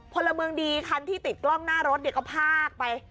พลเมืองดีคันที่ติดกล้องหน้ารถเนี่ยก็พากไป